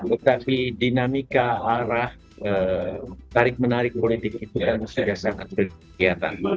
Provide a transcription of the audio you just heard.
tetapi dinamika arah tarik menarik politik itu kan sudah sangat berkegiatan